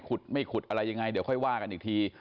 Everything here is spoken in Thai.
ไม่ขุดอะไรยังไงเดี๋ยวค่อยว่ากันอีกที